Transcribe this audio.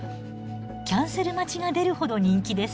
キャンセル待ちが出るほど人気です。